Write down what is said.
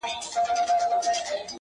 قاسم یار جوړ له دې څلور ټکو جمله یمه زه,